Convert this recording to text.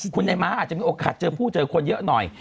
คุณไอ้ม้าอาจจะมีโอกาสเจอผู้เจอคนเยอะหน่อย